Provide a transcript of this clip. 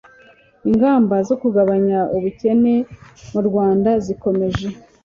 ingamba zo kugabanya ubukene mu rwanda zirakomeje